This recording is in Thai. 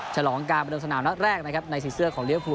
ฉลองการบริมสนามรัฐแรกนะครับในเสื้อของเหลือผู้